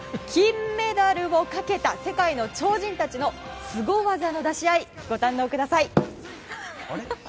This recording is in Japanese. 金メダルをかけた世界の超人たちのすご技の出し合いご堪能ください。